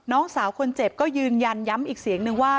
น้องสาวคนเจ็บก็ยืนยันย้ำอีกเสียงนึงว่า